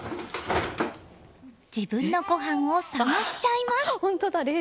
自分のごはんを探しちゃいます！